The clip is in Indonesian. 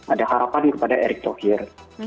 ada harapan kepada erick thohir